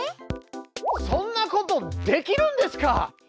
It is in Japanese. そんなことできるんですか？